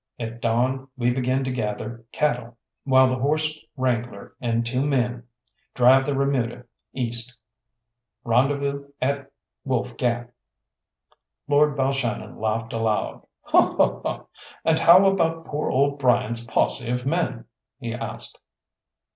At dawn we begin to gather cattle, while the horse wrangler and two men drive the remuda east. Rendezvous at Wolf Gap." Lord Balshannon laughed aloud. "And how about poor old Bryant's posse of men?" he asked.